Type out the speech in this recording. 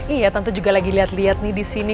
iya tentu juga lagi lihat lihat nih di sini